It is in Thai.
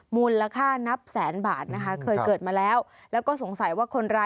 มูลราคานับแสนบาทนะคะเคยเกิดมาแล้ว